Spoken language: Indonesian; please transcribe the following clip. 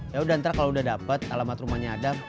yaudah ntar kalau udah dapet alamat rumahnya adam